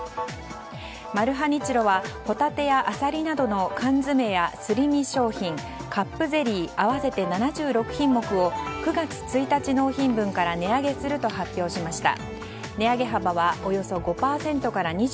マルハニチロはホタテやアサリなどの缶詰やすり身商品、カップゼリー合わせて７６品目を９月１日納品分から値上げすると発表しました。